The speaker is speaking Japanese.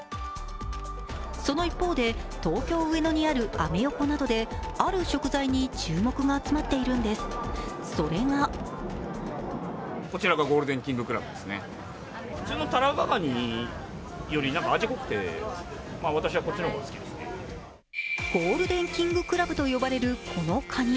その一方で、東京・上野にあるアメ横などである食材に注目が集まっているんです、それがゴールデンキングクラブと呼ばれるこのカニ。